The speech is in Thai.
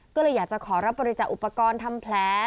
ก็เลยอยากจะขอรับบริจาคอุปกรณ์ทำแผล